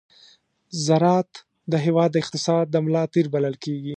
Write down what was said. ز راعت د هېواد د اقتصاد د ملا تېر بلل کېږي.